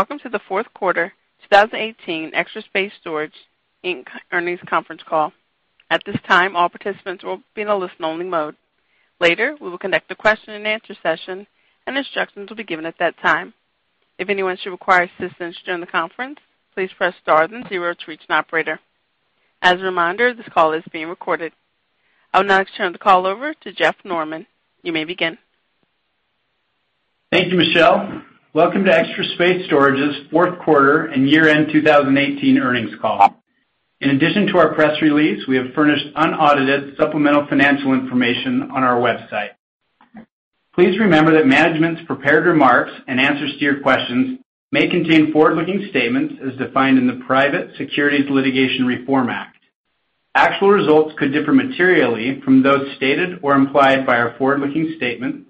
Welcome to the fourth quarter 2018 Extra Space Storage Inc. earnings conference call. At this time, all participants will be in a listen-only mode. Later, we will conduct a question-and-answer session, and instructions will be given at that time. If anyone should require assistance during the conference, please press star then zero to reach an operator. As a reminder, this call is being recorded. I would now like to turn the call over to Jeff Norman. You may begin. Thank you, Michelle. Welcome to Extra Space Storage's fourth quarter and year-end 2018 earnings call. In addition to our press release, we have furnished unaudited supplemental financial information on our website. Please remember that management's prepared remarks and answers to your questions may contain forward-looking statements as defined in the Private Securities Litigation Reform Act. Actual results could differ materially from those stated or implied by our forward-looking statement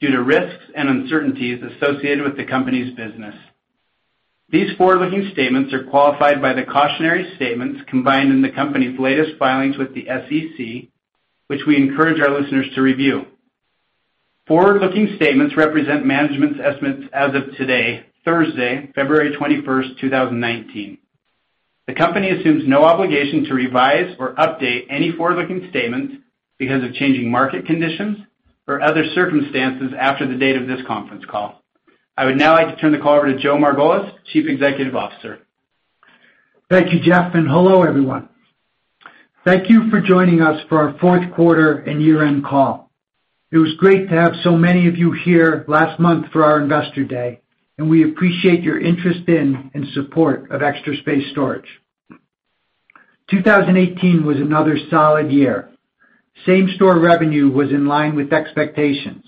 due to risks and uncertainties associated with the company's business. These forward-looking statements are qualified by the cautionary statements combined in the company's latest filings with the SEC, which we encourage our listeners to review. Forward-looking statements represent management's estimates as of today, Thursday, February 21st, 2019. The company assumes no obligation to revise or update any forward-looking statements because of changing market conditions or other circumstances after the date of this conference call. I would now like to turn the call over to Joe Margolis, Chief Executive Officer. Thank you, Jeff. Hello, everyone. Thank you for joining us for our fourth quarter and year-end call. It was great to have so many of you here last month for our Investor Day, and we appreciate your interest in and support of Extra Space Storage. 2018 was another solid year. Same-store revenue was in line with expectations.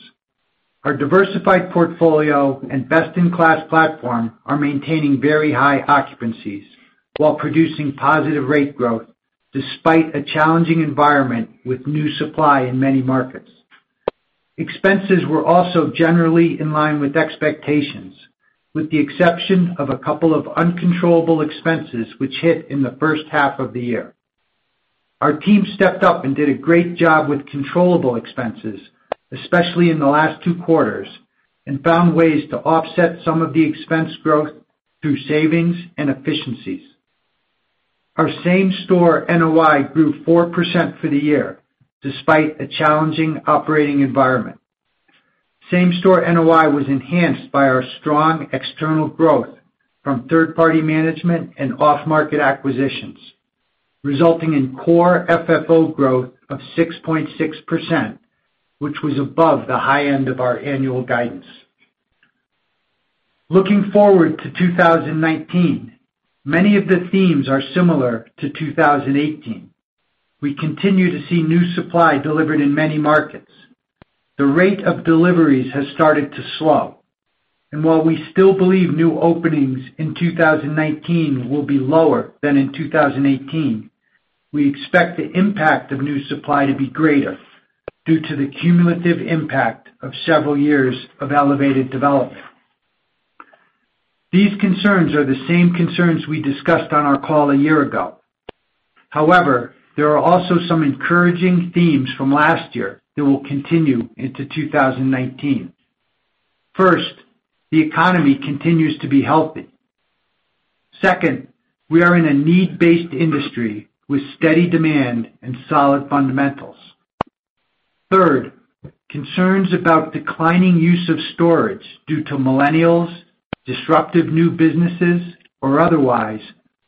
Our diversified portfolio and best-in-class platform are maintaining very high occupancies while producing positive rate growth, despite a challenging environment with new supply in many markets. Expenses were also generally in line with expectations, with the exception of a couple of uncontrollable expenses which hit in the first half of the year. Our team stepped up and did a great job with controllable expenses, especially in the last two quarters, and found ways to offset some of the expense growth through savings and efficiencies. Our same-store NOI grew 4% for the year, despite a challenging operating environment. Same-store NOI was enhanced by our strong external growth from third-party management and off-market acquisitions, resulting in core FFO growth of 6.6%, which was above the high end of our annual guidance. Looking forward to 2019, many of the themes are similar to 2018. We continue to see new supply delivered in many markets. The rate of deliveries has started to slow, and while we still believe new openings in 2019 will be lower than in 2018, we expect the impact of new supply to be greater due to the cumulative impact of several years of elevated development. These concerns are the same concerns we discussed on our call a year ago. However, there are also some encouraging themes from last year that will continue into 2019. First, the economy continues to be healthy. Second, we are in a need-based industry with steady demand and solid fundamentals. Third, concerns about declining use of storage due to millennials, disruptive new businesses, or otherwise,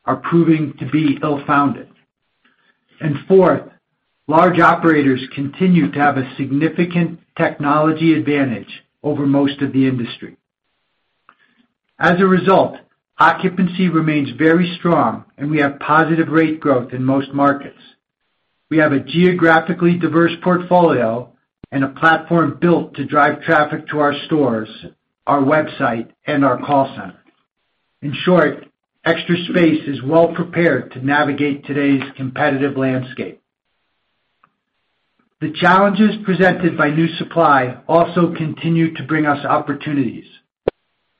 are proving to be ill-founded. Fourth, large operators continue to have a significant technology advantage over most of the industry. As a result, occupancy remains very strong and we have positive rate growth in most markets. We have a geographically diverse portfolio and a platform built to drive traffic to our stores, our website, and our call center. In short, Extra Space is well prepared to navigate today's competitive landscape. The challenges presented by new supply also continue to bring us opportunities.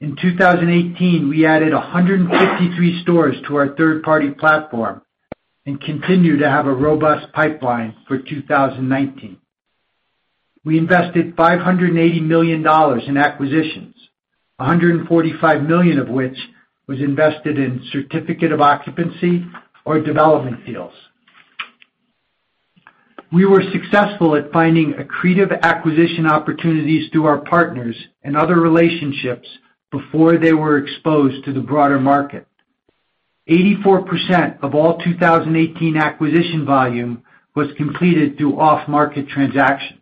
In 2018, we added 153 stores to our third-party platform and continue to have a robust pipeline for 2019. We invested $580 million in acquisitions, $145 million of which was invested in certificate of occupancy or development deals. We were successful at finding accretive acquisition opportunities through our partners and other relationships before they were exposed to the broader market. 84% of all 2018 acquisition volume was completed through off-market transactions.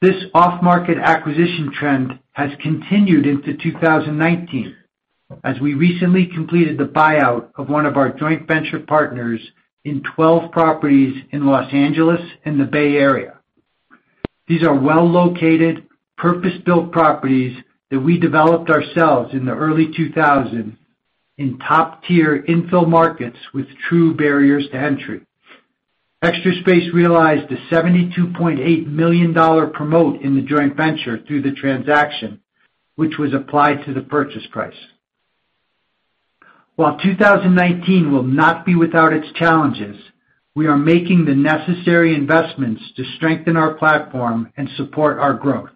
This off-market acquisition trend has continued into 2019, as we recently completed the buyout of one of our joint venture partners in 12 properties in Los Angeles and the Bay Area. These are well-located, purpose-built properties that we developed ourselves in the early 2000s in top-tier infill markets with true barriers to entry. Extra Space realized a $72.8 million promote in the joint venture through the transaction, which was applied to the purchase price. While 2019 will not be without its challenges, we are making the necessary investments to strengthen our platform and support our growth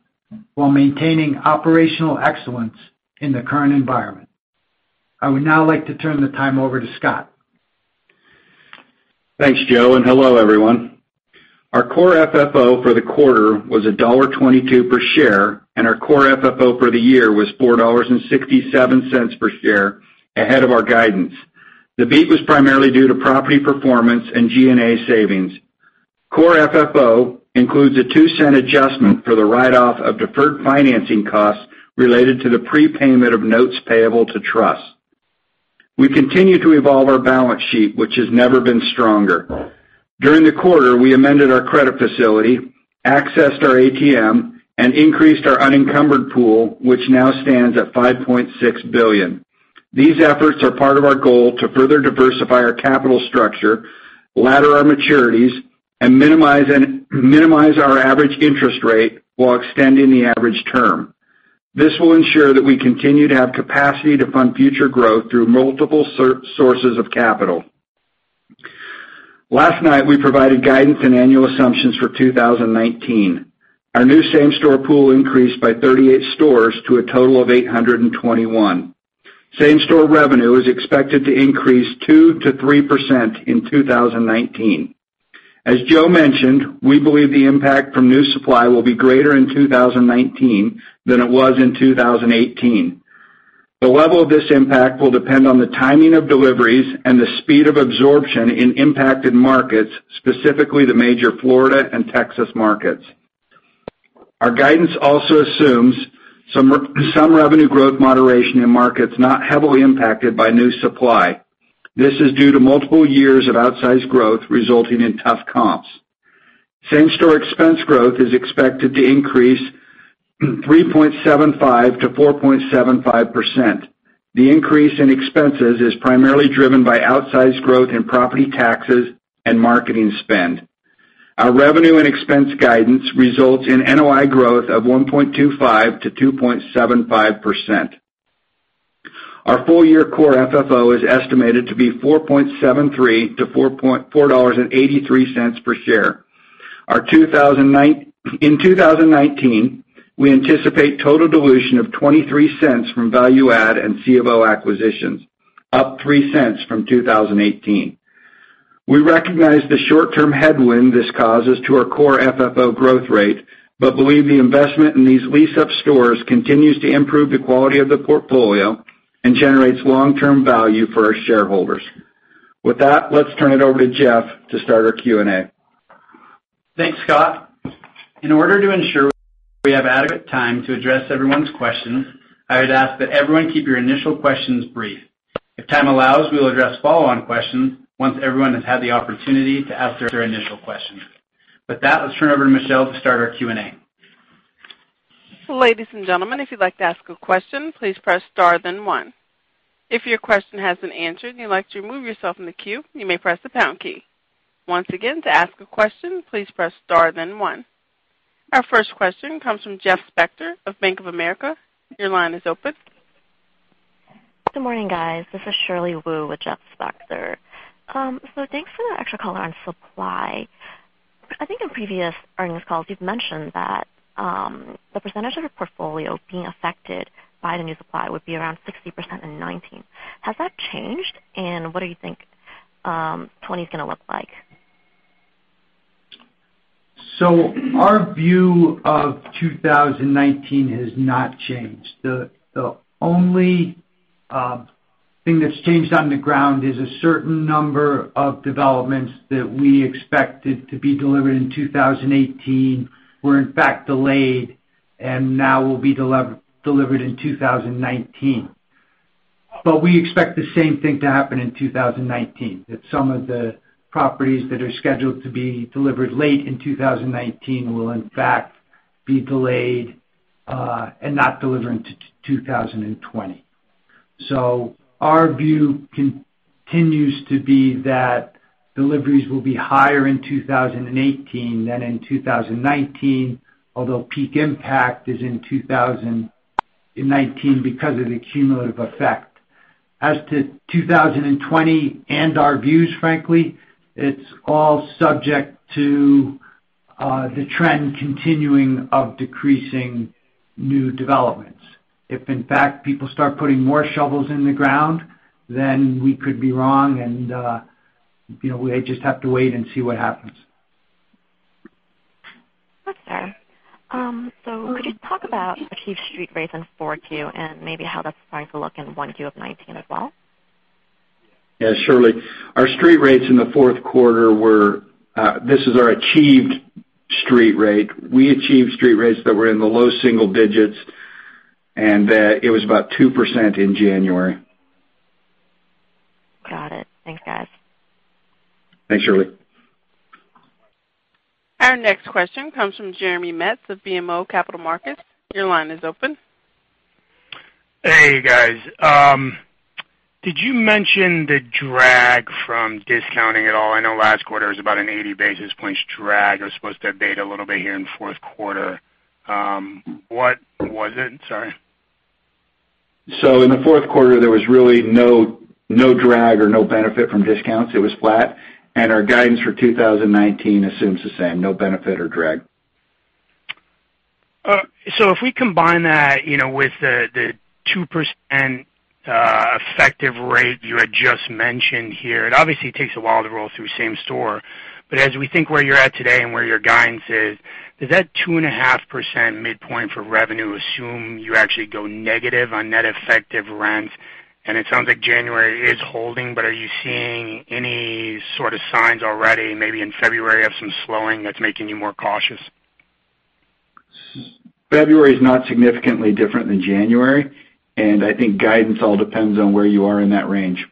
while maintaining operational excellence in the current environment. I would now like to turn the time over to Scott. Thanks, Joe, and hello, everyone. Our core FFO for the quarter was $1.22 per share, and our core FFO for the year was $4.67 per share, ahead of our guidance. The beat was primarily due to property performance and G&A savings. Core FFO includes a $0.02 adjustment for the write-off of deferred financing costs related to the prepayment of notes payable to trust. We continue to evolve our balance sheet, which has never been stronger. During the quarter, we amended our credit facility, accessed our ATM, and increased our unencumbered pool, which now stands at $5.6 billion. These efforts are part of our goal to further diversify our capital structure, ladder our maturities, and minimize our average interest rate while extending the average term. This will ensure that we continue to have capacity to fund future growth through multiple sources of capital. Last night, we provided guidance and annual assumptions for 2019. Our new same-store pool increased by 38 stores to a total of 821. Same-store revenue is expected to increase 2%-3% in 2019. As Joe mentioned, we believe the impact from new supply will be greater in 2019 than it was in 2018. The level of this impact will depend on the timing of deliveries and the speed of absorption in impacted markets, specifically the major Florida and Texas markets. Our guidance also assumes some revenue growth moderation in markets not heavily impacted by new supply. This is due to multiple years of outsized growth resulting in tough comps. Same-store expense growth is expected to increase 3.75%-4.75%. The increase in expenses is primarily driven by outsized growth in property taxes and marketing spend. Our revenue and expense guidance results in NOI growth of 1.25%-2.75%. Our full-year core FFO is estimated to be $4.73-$4.83 per share. In 2019, we anticipate total dilution of $0.23 from value add and C of O acquisitions, up $0.03 from 2018. We recognize the short-term headwind this causes to our core FFO growth rate, but believe the investment in these lease-up stores continues to improve the quality of the portfolio and generates long-term value for our shareholders. With that, let's turn it over to Jeff to start our Q&A. Thanks, Scott. In order to ensure we have adequate time to address everyone's questions, I would ask that everyone keep your initial questions brief. If time allows, we will address follow-on questions once everyone has had the opportunity to ask their initial questions. With that, let's turn it over to Michelle to start our Q&A. Ladies and gentlemen, if you'd like to ask a question, please press star then one. If your question has been answered and you'd like to remove yourself from the queue, you may press the pound key. Once again, to ask a question, please press star then one. Our first question comes from Jeffrey Spector of Bank of America. Your line is open. Good morning, guys. This is Shirley Wu with Jeffrey Spector. Thanks for the extra color on supply. I think in previous earnings calls, you've mentioned that the percentage of your portfolio being affected by the new supply would be around 60% in 2019. Has that changed? What do you think 2020 is going to look like? Our view of 2019 has not changed. The only thing that's changed on the ground is a certain number of developments that we expected to be delivered in 2018 were in fact delayed, and now will be delivered in 2019. We expect the same thing to happen in 2019, that some of the properties that are scheduled to be delivered late in 2019 will in fact be delayed and not deliver into 2020. Our view continues to be that deliveries will be higher in 2018 than in 2019, although peak impact is in 2019 because of the cumulative effect. As to 2020 and our views, frankly, it's all subject to the trend continuing of decreasing new developments. If in fact, people start putting more shovels in the ground, then we could be wrong, and we just have to wait and see what happens. Okay. Could you talk about achieved street rates in Q4 and maybe how that's going to look in Q1 of 2019 as well? Yeah, Shirley. This is our achieved street rate. We achieved street rates that were in the low single digits, and it was about 2% in January. Got it. Thanks, guys. Thanks, Shirley. Our next question comes from Jeremy Metz of BMO Capital Markets. Your line is open. Hey, guys. Did you mention the drag from discounting at all? I know last quarter it was about an 80 basis points drag. It was supposed to abate a little bit here in the fourth quarter. What was it? Sorry. In the fourth quarter, there was really no drag or no benefit from discounts. It was flat. Our guidance for 2019 assumes the same, no benefit or drag. If we combine that with the 2% effective rate you had just mentioned here, it obviously takes a while to roll through same-store, but as we think where you're at today and where your guidance is, does that 2.5% midpoint for revenue assume you actually go negative on net effective rents? It sounds like January is holding, but are you seeing any sort of signs already, maybe in February, of some slowing that's making you more cautious? February is not significantly different than January, and I think guidance all depends on where you are in that range.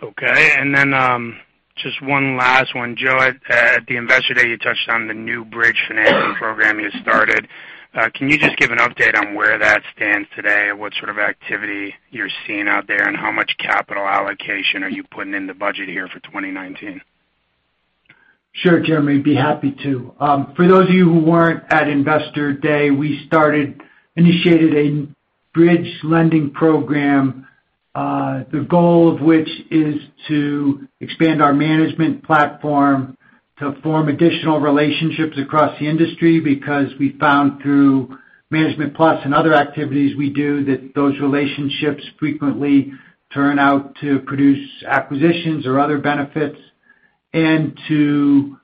Okay, just one last one. Joe, at the Investor Day, you touched on the new bridge lending program you started. Can you just give an update on where that stands today and what sort of activity you're seeing out there, and how much capital allocation are you putting in the budget here for 2019? Sure, Jeremy. Be happy to. For those of you who weren't at Investor Day, we initiated a bridge lending program, the goal of which is to expand our management platform to form additional relationships across the industry, because we found through Management Plus and other activities we do, that those relationships frequently turn out to produce acquisitions or other benefits. To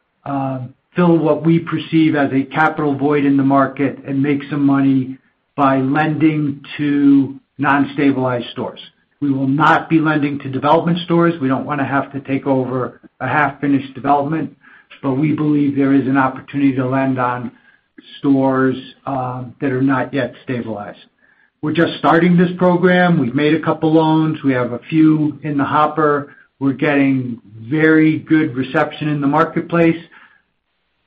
fill what we perceive as a capital void in the market and make some money by lending to non-stabilized stores. We will not be lending to development stores. We don't want to have to take over a half-finished development. We believe there is an opportunity to lend on stores that are not yet stabilized. We're just starting this program. We've made a couple loans. We have a few in the hopper. We're getting very good reception in the marketplace.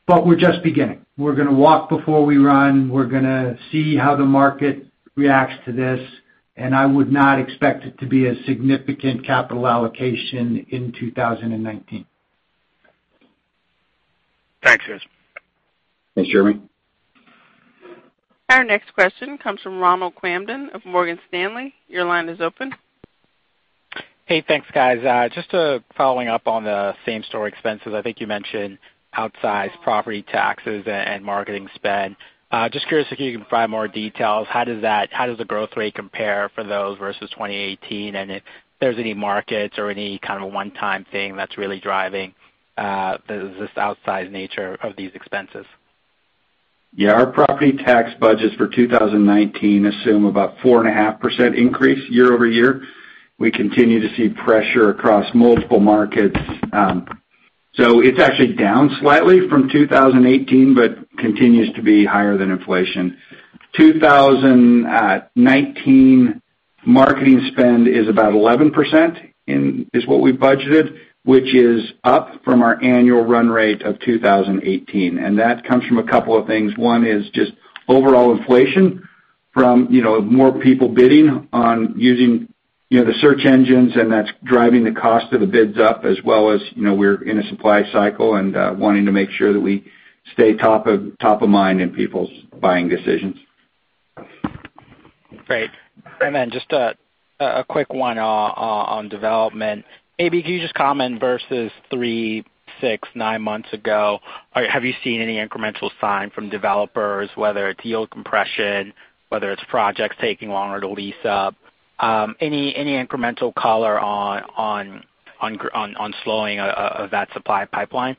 We're just beginning. We're going to walk before we run. We're going to see how the market reacts to this, and I would not expect it to be a significant capital allocation in 2019. Thanks, guys. Thanks, Jeremy. Our next question comes from Ronald Kamdem of Morgan Stanley. Your line is open. Hey, thanks, guys. Just following up on the same-store expenses. I think you mentioned outsized property taxes and marketing spend. Just curious if you can provide more details. How does the growth rate compare for those versus 2018, if there's any markets or any kind of a one-time thing that's really driving this outsized nature of these expenses? Yeah. Our property tax budgets for 2019 assume about 4.5% increase year-over-year. We continue to see pressure across multiple markets. It's actually down slightly from 2018, but continues to be higher than inflation. 2019 marketing spend is about 11%, is what we budgeted, which is up from our annual run rate of 2018. That comes from a couple of things. One is just overall inflation from more people bidding on using the search engines, and that's driving the cost of the bids up, as well as we're in a supply cycle and wanting to make sure that we stay top of mind in people's buying decisions. Great. Then just a quick one on development. AB, can you just comment versus three, six, nine months ago, have you seen any incremental sign from developers, whether it's yield compression, whether it's projects taking longer to lease up? Any incremental color on slowing of that supply pipeline?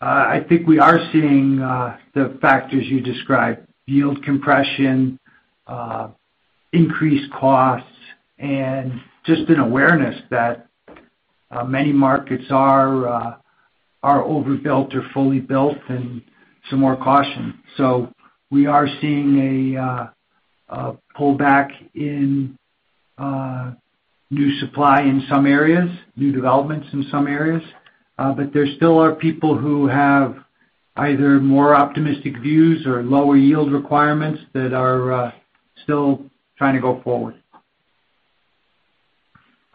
I think we are seeing the factors you described. Yield compression, increased costs, and just an awareness that many markets are overbuilt or fully built, and some more caution. We are seeing a pullback in new supply in some areas, new developments in some areas. There still are people who have either more optimistic views or lower yield requirements that are still trying to go forward.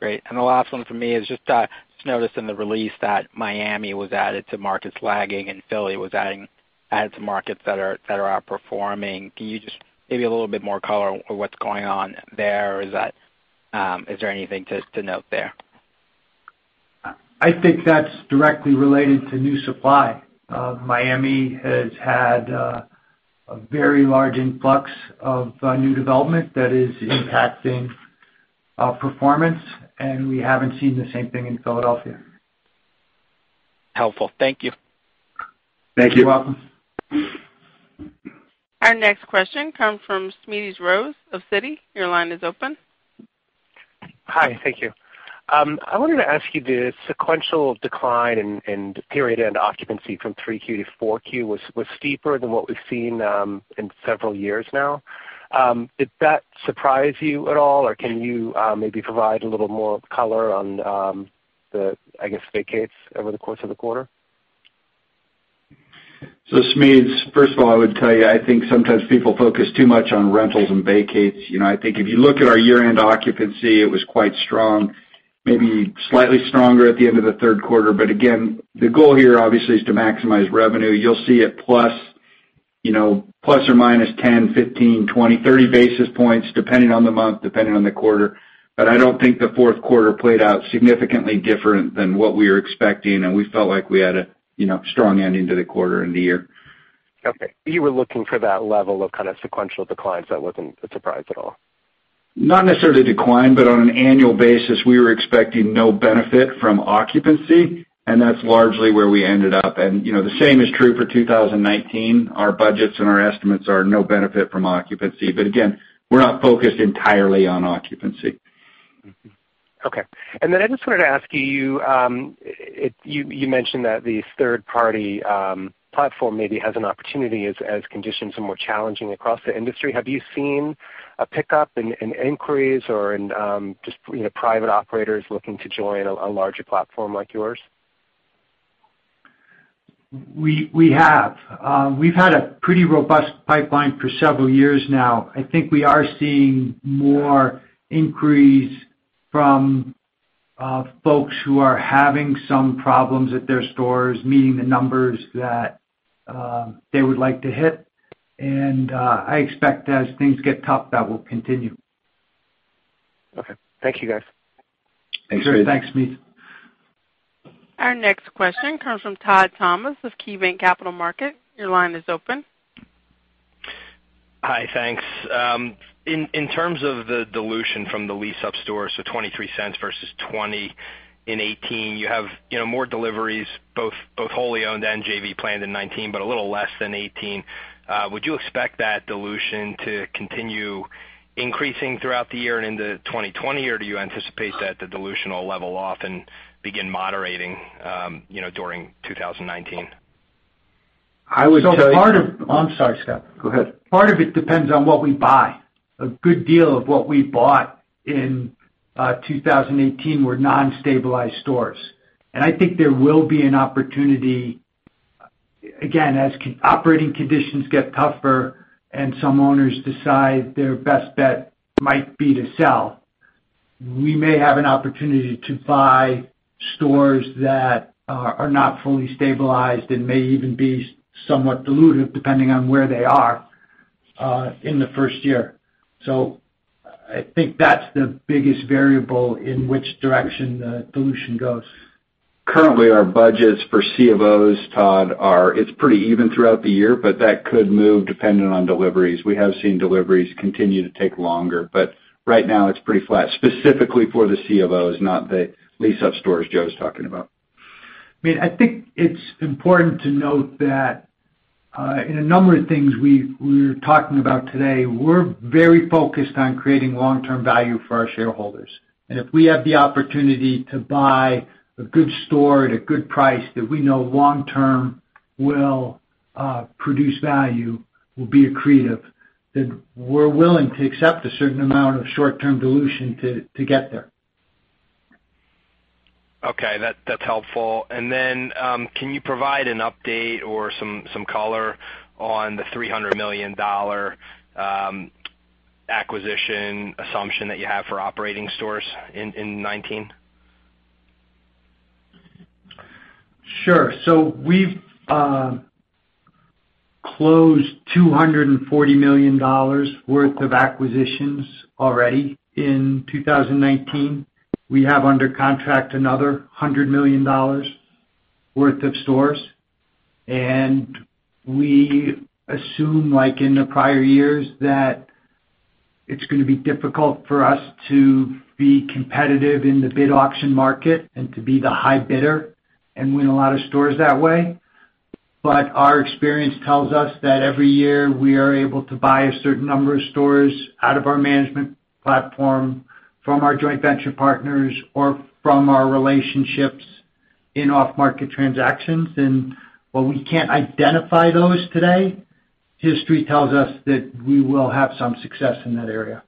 Great. The last one from me is just, I just noticed in the release that Miami was added to markets lagging and Philly was added to markets that are outperforming. Can you maybe a little bit more color on what's going on there? Is there anything to note there? I think that's directly related to new supply. Miami has had a very large influx of new development that is impacting our performance, and we haven't seen the same thing in Philadelphia. Helpful. Thank you. Thank you. You're welcome. Our next question comes from Smedes Rose of Citi. Your line is open. Hi. Thank you. I wanted to ask you the sequential decline in period-end occupancy from three Q to four Q was steeper than what we've seen in several years now. Did that surprise you at all, or can you maybe provide a little more color on the, I guess, vacates over the course of the quarter? Smedes, first of all, I would tell you, I think sometimes people focus too much on rentals and vacates. I think if you look at our year-end occupancy, it was quite strong, maybe slightly stronger at the end of the third quarter. Again, the goal here obviously is to maximize revenue. You'll see it ±10, 15, 20, 30 basis points, depending on the month, depending on the quarter. I don't think the fourth quarter played out significantly different than what we were expecting, and we felt like we had a strong ending to the quarter and the year. Okay. You were looking for that level of kind of sequential declines. That wasn't a surprise at all. Not necessarily decline, on an annual basis, we were expecting no benefit from occupancy, and that's largely where we ended up. The same is true for 2019. Our budgets and our estimates are no benefit from occupancy. Again, we're not focused entirely on occupancy. Mm-hmm. Okay. I just wanted to ask you mentioned that the third-party platform maybe has an opportunity as conditions are more challenging across the industry. Have you seen a pickup in inquiries or in just private operators looking to join a larger platform like yours? We have. We've had a pretty robust pipeline for several years now. I think we are seeing more inquiries from folks who are having some problems at their stores, meeting the numbers that they would like to hit. I expect as things get tough, that will continue. Okay. Thank you, guys. Thanks, Smedes. Sure. Thanks, Smedes. Our next question comes from Todd Thomas of KeyBanc Capital Markets. Your line is open. Hi. Thanks. In terms of the dilution from the lease-up stores, $0.23 versus $0.20 in 2018, you have more deliveries, both wholly owned and JV planned in 2019, but a little less than 2018. Would you expect that dilution to continue increasing throughout the year and into 2020, or do you anticipate that the dilution will level off and begin moderating during 2019? I would tell you. I'm sorry, Scott. Go ahead. Part of it depends on what we buy. A good deal of what we bought in 2018 were non-stabilized stores. I think there will be an opportunity, again, as operating conditions get tougher and some owners decide their best bet might be to sell. We may have an opportunity to buy stores that are not fully stabilized and may even be somewhat dilutive, depending on where they are in the first year. I think that's the biggest variable in which direction the dilution goes. Currently, our budgets for C of Os, Todd, it's pretty even throughout the year. That could move depending on deliveries. We have seen deliveries continue to take longer, but right now it's pretty flat, specifically for the C of Os, not the lease-up stores Joe's talking about. I think it's important to note that in a number of things we're talking about today, we're very focused on creating long-term value for our shareholders. If we have the opportunity to buy a good store at a good price that we know long term will produce value, will be accretive, then we're willing to accept a certain amount of short-term dilution to get there. Okay. That's helpful. Then, can you provide an update or some color on the $300 million acquisition assumption that you have for operating stores in 2019? Sure. We've closed $240 million worth of acquisitions already in 2019. We have under contract another $100 million worth of stores. We assume, like in the prior years, that it's going to be difficult for us to be competitive in the bid auction market and to be the high bidder and win a lot of stores that way. Our experience tells us that every year we are able to buy a certain number of stores out of our management platform from our joint venture partners or from our relationships in off-market transactions. While we can't identify those today, history tells us that we will have some success in that area.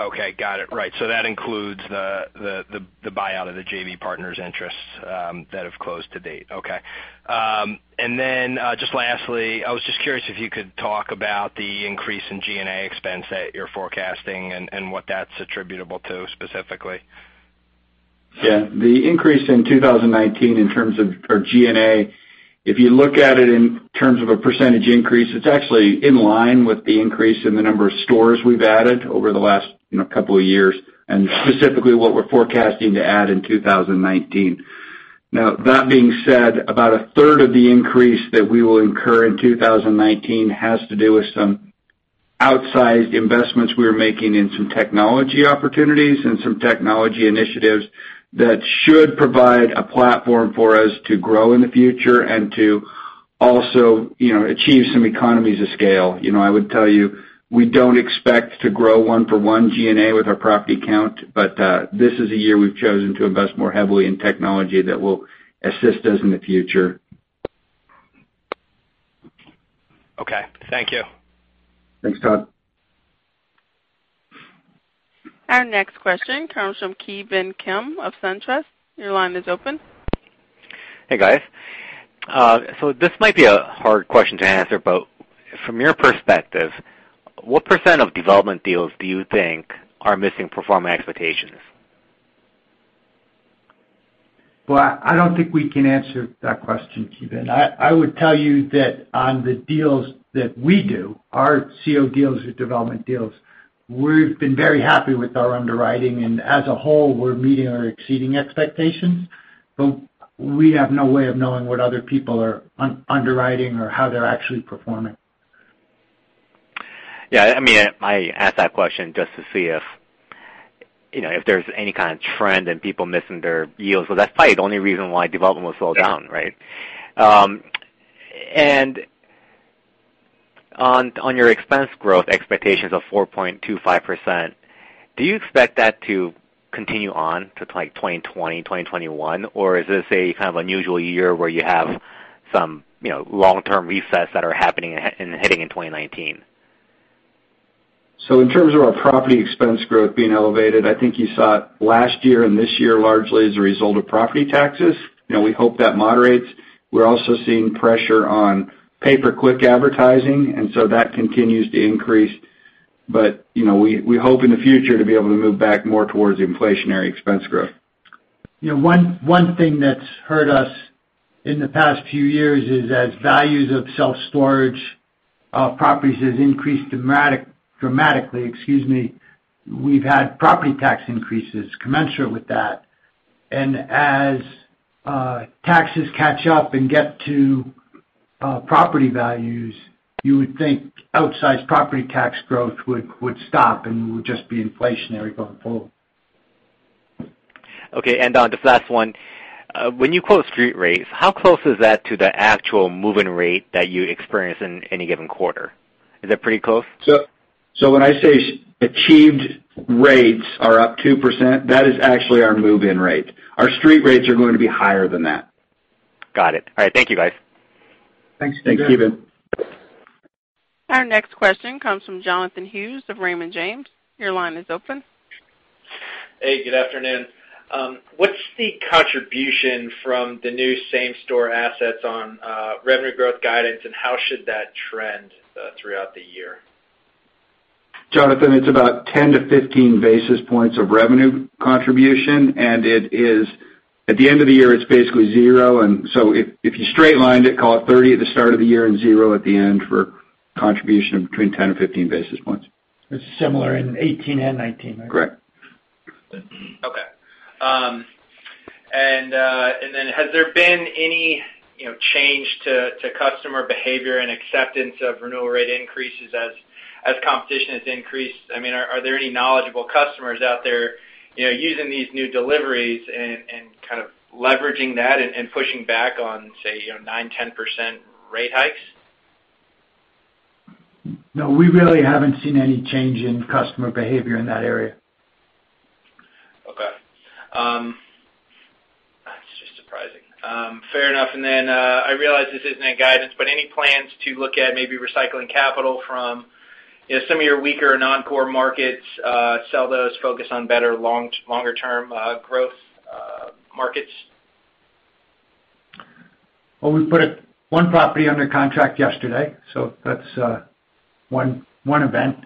Okay. Got it. Right. That includes the buyout of the JV partners interests that have closed to date. Okay. Then, just lastly, I was just curious if you could talk about the increase in G&A expense that you're forecasting and what that's attributable to specifically. Yeah. The increase in 2019 in terms of our G&A, if you look at it in terms of a % increase, it's actually in line with the increase in the number of stores we've added over the last couple of years, and specifically what we're forecasting to add in 2019. That being said, about a third of the increase that we will incur in 2019 has to do with some outsized investments we are making in some technology opportunities and some technology initiatives that should provide a platform for us to grow in the future and to also achieve some economies of scale. I would tell you, we don't expect to grow one for one G&A with our property count, but this is a year we've chosen to invest more heavily in technology that will assist us in the future. Okay. Thank you. Thanks, Todd. Our next question comes from Ki Bin Kim of SunTrust. Your line is open. Hey, guys. This might be a hard question to answer, but from your perspective, what percent of development deals do you think are missing performance expectations? I don't think we can answer that question, Ki Bin. I would tell you that on the deals that we do, our C of O deals or development deals, we've been very happy with our underwriting, and as a whole, we're meeting or exceeding expectations, but we have no way of knowing what other people are underwriting or how they're actually performing. I asked that question just to see if there's any kind of trend in people missing their yields. That's probably the only reason why development will slow down, right? On your expense growth expectations of 4.25%, do you expect that to continue on to 2020, 2021? Or is this a kind of unusual year where you have some long-term resets that are happening and hitting in 2019? In terms of our property expense growth being elevated, I think you saw it last year and this year largely as a result of property taxes. We hope that moderates. We're also seeing pressure on pay-per-click advertising, so that continues to increase. We hope in the future to be able to move back more towards inflationary expense growth. One thing that's hurt us in the past few years is as values of self-storage properties has increased dramatically, excuse me, we've had property tax increases commensurate with that. As taxes catch up and get to property values, you would think outsized property tax growth would stop and would just be inflationary going forward. Scott, just last one. When you quote street rates, how close is that to the actual move-in rate that you experience in any given quarter? Is that pretty close? When I say achieved rates are up 2%, that is actually our move-in rate. Our street rates are going to be higher than that. Got it. All right. Thank you guys. Thanks, Ki Bin. Thanks, Ki Bin. Our next question comes from Jonathan Hughes of Raymond James. Your line is open. Hey, good afternoon. What's the contribution from the new same-store assets on revenue growth guidance, and how should that trend throughout the year? Jonathan, it's about 10-15 basis points of revenue contribution, and at the end of the year, it's basically zero. If you straight lined it, call it 30 at the start of the year and zero at the end for contribution between 10 and 15 basis points. It's similar in 2018 and 2019, right? Correct. Okay. has there been any change to customer behavior and acceptance of renewal rate increases as competition has increased? Are there any knowledgeable customers out there using these new deliveries and kind of leveraging that and pushing back on, say, 9%-10% rate hikes? No, we really haven't seen any change in customer behavior in that area. Okay. That's just surprising. Fair enough. I realize this isn't a guidance, but any plans to look at maybe recycling capital from some of your weaker non-core markets, sell those, focus on better longer-term growth markets? Well, we put one property under contract yesterday, so that's one event.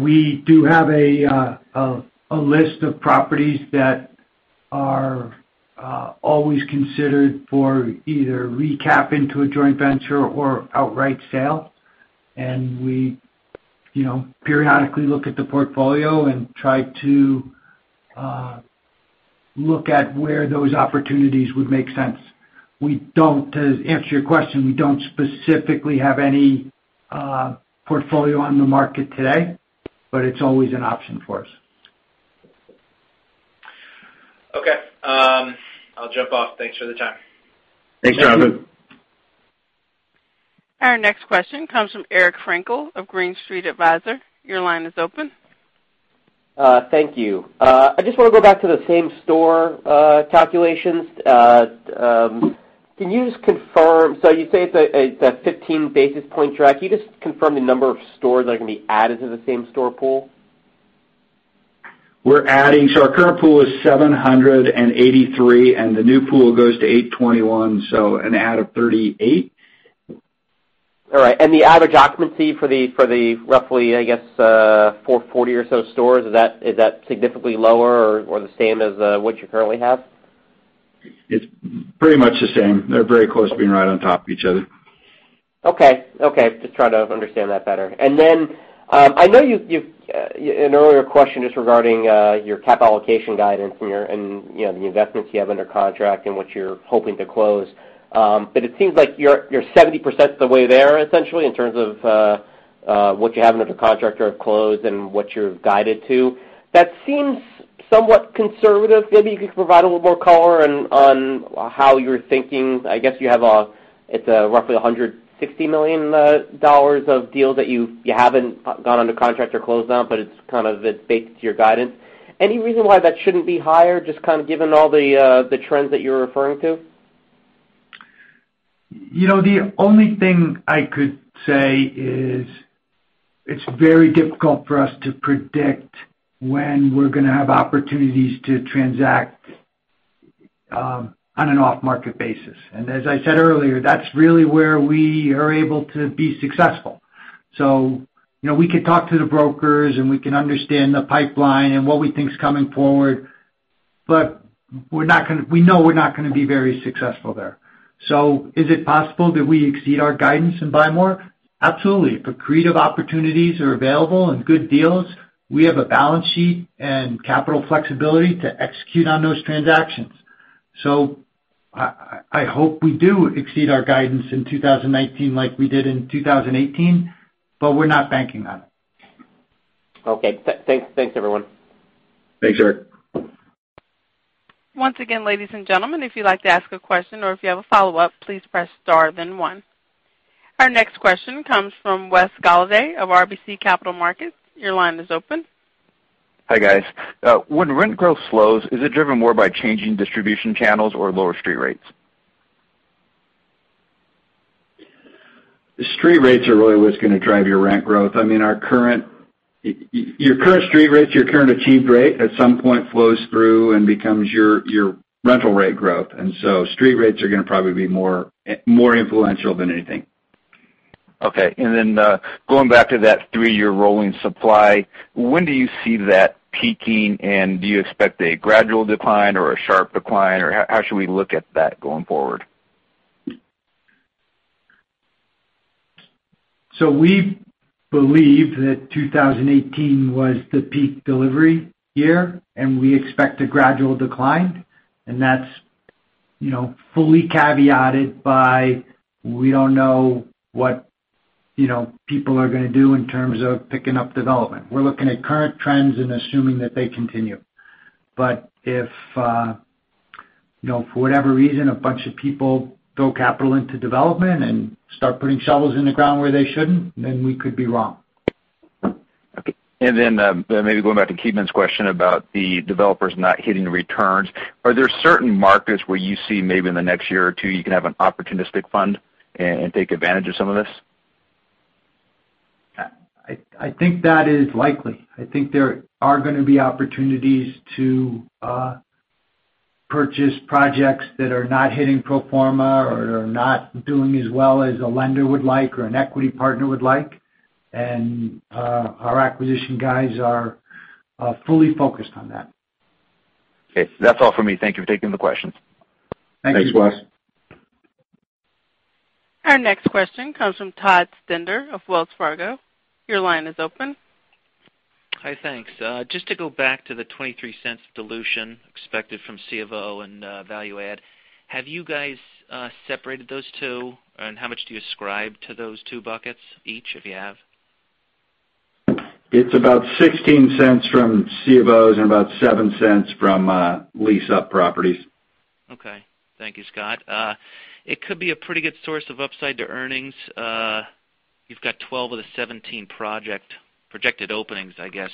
We do have a list of properties that are always considered for either recap into a joint venture or outright sale. We periodically look at the portfolio and try to look at where those opportunities would make sense. To answer your question, we don't specifically have any portfolio on the market today, but it's always an option for us. Okay. I'll jump off. Thanks for the time. Thanks, Jonathan. Thank you. Our next question comes from Eric Frankel of Green Street Advisors. Your line is open. Thank you. I just want to go back to the same-store calculations. Can you just confirm, so you say it's a 15 basis point drag. Can you just confirm the number of stores that are going to be added to the same-store pool? Our current pool is 783 and the new pool goes to 821, so an add of 38. All right. The average occupancy for the roughly, I guess, 440 or so stores, is that significantly lower or the same as what you currently have? It's pretty much the same. They're very close to being right on top of each other. Okay. Just trying to understand that better. I know in an earlier question just regarding your cap allocation guidance and the investments you have under contract and what you're hoping to close, but it seems like you're 70% of the way there essentially in terms of what you have under contract or have closed and what you've guided to. That seems somewhat conservative. Maybe you could provide a little more color on how you're thinking. I guess you have roughly $160 million of deals that you haven't gone under contract or closed on, but it's kind of based to your guidance. Any reason why that shouldn't be higher, just kind of given all the trends that you're referring to? The only thing I could say is it's very difficult for us to predict when we're going to have opportunities to transact on an off-market basis. As I said earlier, that's really where we are able to be successful. We could talk to the brokers, and we can understand the pipeline and what we think is coming forward, but we know we're not going to be very successful there. Is it possible that we exceed our guidance and buy more? Absolutely. If accretive opportunities are available and good deals, we have a balance sheet and capital flexibility to execute on those transactions. I hope we do exceed our guidance in 2019 like we did in 2018, but we're not banking on it. Okay. Thanks, everyone. Thanks, Eric. Once again, ladies and gentlemen, if you'd like to ask a question or if you have a follow-up, please press star then one. Our next question comes from Wes Golladay of RBC Capital Markets. Your line is open. Hi, guys. When rent growth slows, is it driven more by changing distribution channels or lower street rates? The street rates are really what's going to drive your rent growth. Your current street rates, your current achieved rate, at some point flows through and becomes your rental rate growth. street rates are going to probably be more influential than anything. Okay. Going back to that three-year rolling supply, when do you see that peaking? Do you expect a gradual decline or a sharp decline, or how should we look at that going forward? We believe that 2018 was the peak delivery year, and we expect a gradual decline. That's fully caveated by we don't know what people are going to do in terms of picking up development. We're looking at current trends and assuming that they continue. If for whatever reason, a bunch of people throw capital into development and start putting shovels in the ground where they shouldn't, then we could be wrong. Okay. Maybe going back to Ki Bin's question about the developers not hitting the returns, are there certain markets where you see maybe in the next year or two you can have an opportunistic fund and take advantage of some of this? I think that is likely. I think there are going to be opportunities to purchase projects that are not hitting pro forma or are not doing as well as a lender would like or an equity partner would like. Our acquisition guys are fully focused on that. Okay. That's all for me. Thank you for taking the questions. Thank you. Thanks, Wes. Our next question comes from Todd Stender of Wells Fargo. Your line is open. Hi. Thanks. Just to go back to the $0.23 dilution expected from C of O and value add, have you guys separated those two, and how much do you ascribe to those two buckets each, if you have? It's about $0.16 from C of Os and about $0.07 from lease-up properties. Okay. Thank you, Scott. It could be a pretty good source of upside to earnings. You've got 12 of the 17 projected openings, I guess,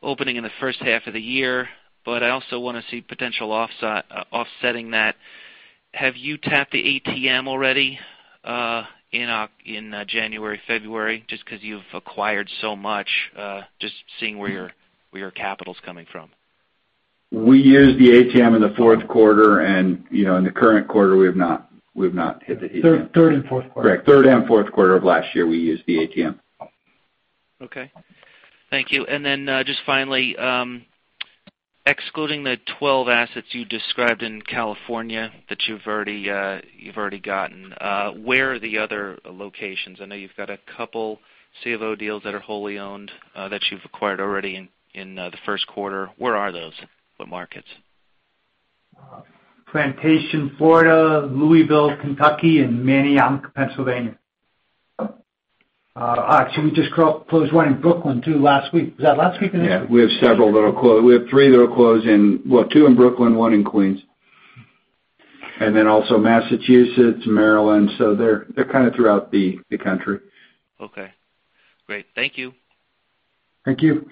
opening in the first half of the year, but I also want to see potential offsetting that. Have you tapped the ATM already in January, February, just because you've acquired so much? Just seeing where your capital's coming from. We used the ATM in the fourth quarter, and in the current quarter, we have not hit the ATM. Third and fourth quarter. Correct. Third and fourth quarter of last year, we used the ATM. Okay. Thank you. just finally, excluding the 12 assets you described in California that you've already gotten, where are the other locations? I know you've got a couple C of O deals that are wholly owned, that you've acquired already in the first quarter. Where are those, what markets? Plantation, Florida, Louisville, Kentucky, and Manayunk, Pennsylvania. Actually, we just closed one in Brooklyn, too, last week. Was that last week or next week? Yeah, we have three that are closing. Well, two in Brooklyn, one in Queens. also Massachusetts, Maryland. they're kind of throughout the country. Okay. Great. Thank you. Thank you.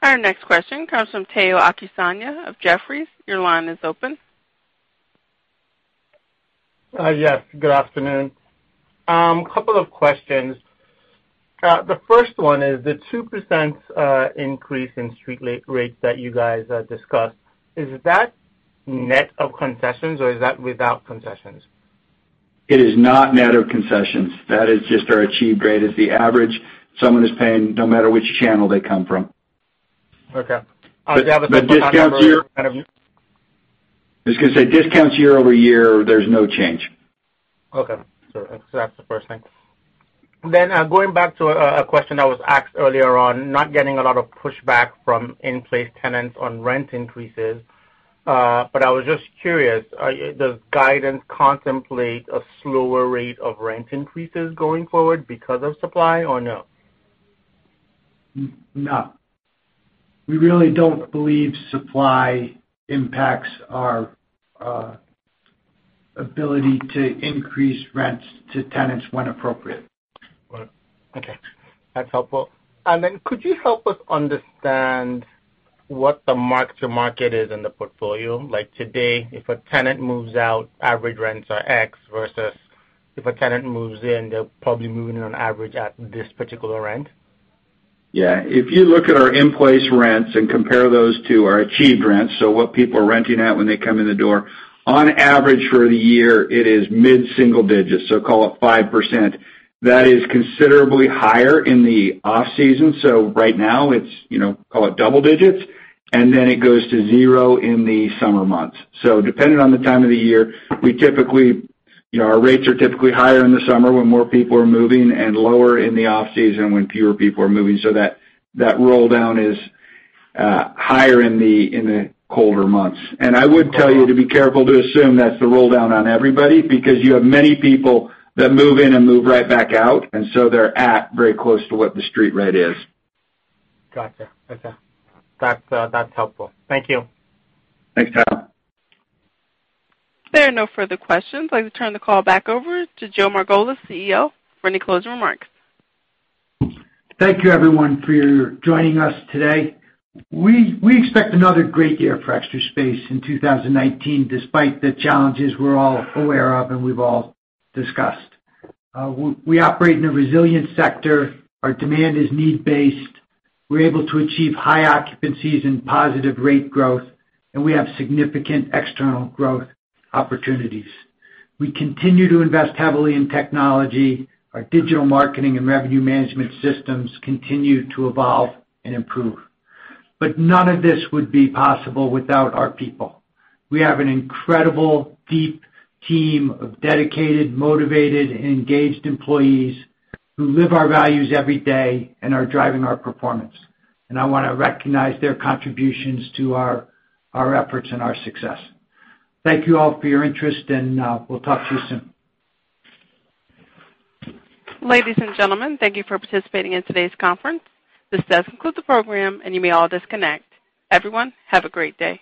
Our next question comes from Tayo Okusanya of Jefferies. Your line is open. Yes, good afternoon. Couple of questions. The first one is the 2% increase in street rates that you guys discussed. Is that net of concessions or is that without concessions? It is not net of concessions. That is just our achieved rate is the average someone is paying, no matter which channel they come from. Okay. Do you have a discount year kind of- I was going to say discounts year-over-year, there's no change. That's the first thing. Going back to a question that was asked earlier on, not getting a lot of pushback from in-place tenants on rent increases. I was just curious, does guidance contemplate a slower rate of rent increases going forward because of supply or no? No. We really don't believe supply impacts our ability to increase rents to tenants when appropriate. That's helpful. Could you help us understand what the mark-to-market is in the portfolio? Like today, if a tenant moves out, average rents are X versus if a tenant moves in, they're probably moving in on average at this particular rent? Yeah. If you look at our in-place rents and compare those to our achieved rents, so what people are renting at when they come in the door, on average for the year, it is mid-single digits, so call it 5%. That is considerably higher in the off-season, so right now it's, call it double digits, and then it goes to zero in the summer months. Depending on the time of the year, our rates are typically higher in the summer when more people are moving, and lower in the off-season when fewer people are moving. That roll-down is higher in the colder months. I would tell you to be careful to assume that's the roll-down on everybody, because you have many people that move in and move right back out, and so they're at very close to what the street rate is. Gotcha. Okay. That's helpful. Thank you. Thanks, Tayo. There are no further questions. I'd like to turn the call back over to Joe Margolis, CEO, for any closing remarks. Thank you, everyone, for joining us today. We expect another great year for Extra Space in 2019, despite the challenges we're all aware of and we've all discussed. We operate in a resilient sector. Our demand is need-based. We're able to achieve high occupancies and positive rate growth, and we have significant external growth opportunities. We continue to invest heavily in technology. Our digital marketing and revenue management systems continue to evolve and improve. None of this would be possible without our people. We have an incredible, deep team of dedicated, motivated, and engaged employees who live our values every day and are driving our performance. I want to recognize their contributions to our efforts and our success. Thank you all for your interest, and we'll talk to you soon. Ladies and gentlemen, thank you for participating in today's conference. This does conclude the program, and you may all disconnect. Everyone, have a great day.